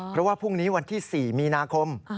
เพราะว่าพรุ่งนี้วันที่๔มีนาคม